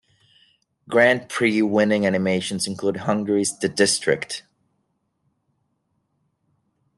Grand prix winning animations include Hungary's The District!